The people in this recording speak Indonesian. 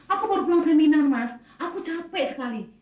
aku baru pulang seminar mas aku capek sekali